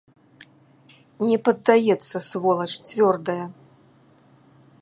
Не паддаецца, сволач, цвёрдая.